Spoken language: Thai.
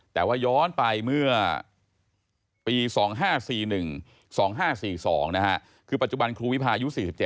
แต่ว่าย้อนไปเมื่อปี๒๕๔๑๒๕๔๒คือปัจจุบันครูวิพายุ๔๗